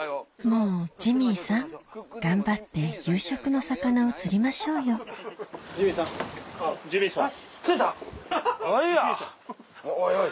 もうジミーさん頑張って夕食の魚を釣りましょうよおいおい。